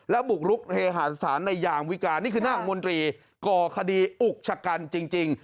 บุกรุกเฮหาสถานในยางวิการนี่คือหน้าของมนตรีก่อคดีอุกชะกันจริง